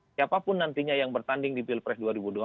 siapapun nantinya yang bertanding di pilpres dua ribu dua puluh